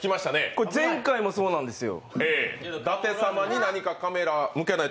これ前回もそうなんですよ。